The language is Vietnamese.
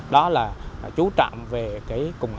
đó là chú trạm về cùng hình